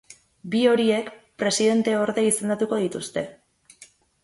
Bi horiek presidenteorde izendatuko dituzte.